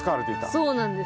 そうなんです。